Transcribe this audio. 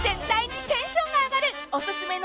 ［おすすめの］